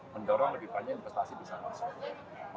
mendorong lebih banyak investasi bisa masuk